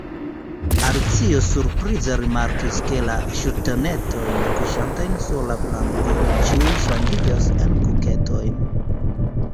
Alicio surprize rimarkis ke la ŝtonetoj kuŝantaj sur la planko ĉiuj ŝanĝiĝas en kuketojn.